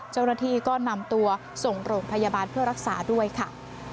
เจ้าหน้าที่ก็นำตัวส่งโรงพยาบาลเพื่อรักษาด้วยค่ะ